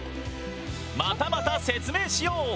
またまた説明しよう！